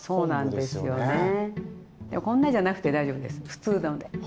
こんなじゃなくて大丈夫です普通ので。